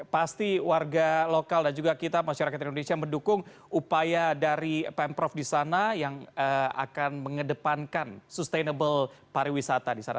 pasti warga lokal dan juga kita masyarakat indonesia mendukung upaya dari pemprov di sana yang akan mengedepankan sustainable pariwisata di sana